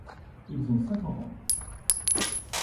Ils ont cinq enfants.